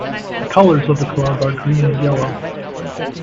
The colours of the club are green and yellow.